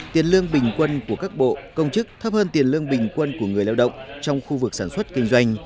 tiền lương bình quân của các bộ công chức thấp hơn tiền lương bình quân của người lao động trong khu vực sản xuất kinh doanh